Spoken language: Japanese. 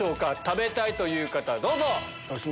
食べたいという方どうぞ！